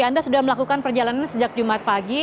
anda sudah melakukan perjalanan sejak jumat pagi